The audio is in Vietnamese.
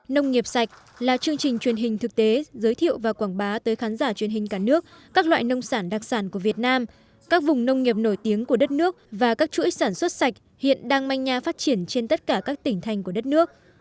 nông nghiệp sạch là chương trình truyền hình thực tế giới thiệu và quảng bá tới khán giả truyền hình cả nước các loại nông sản đặc sản của việt nam các vùng nông nghiệp nổi tiếng của đất nước và các chuỗi sản xuất sạch hiện đang manh nha phát triển trên tất cả các tỉnh thành của đất nước